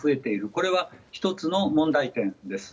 これは１つの問題点です。